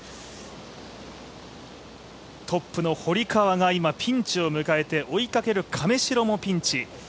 トップの堀川が今ピンチを迎えて追いかける亀代もピンチ。